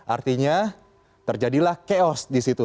artinya terjadilah chaos disitu